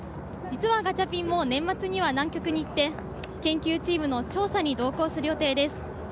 実はガチャピンも年末には南極に行って研究チームの調査に同行する予定です。